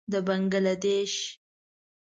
د بنګله دېش.